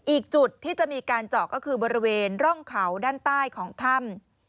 อีกจุดที่จะมีการเจาะก็คือบริเวณร่องเขาด้านใต้ของถ้ำ